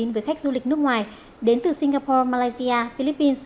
với khách du lịch nước ngoài đến từ singapore malaysia philippines